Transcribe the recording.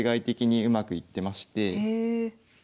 へえ。